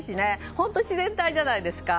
本当、自然体じゃないですか。